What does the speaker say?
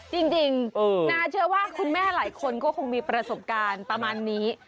จริงน้าเชื่อว่าคุณแม่หลายคนก็คงมีประสบการณ์ประมาณนี้